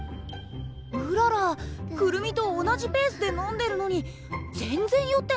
うららくるみと同じペースで飲んでるのに全然酔ってないね。